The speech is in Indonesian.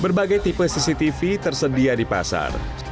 berbagai tipe cctv tersedia di pasar